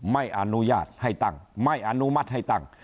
ไม่อนุญาตให้ตั้งไม่อนุมัติให้ตั้ง